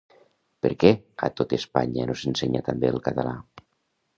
Perquè a tot Espanya no s'ensenya també el català?